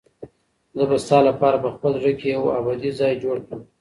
زه به ستا لپاره په خپل زړه کې یو ابدي ځای جوړ کړم.